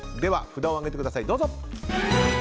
札を上げてください、どうぞ。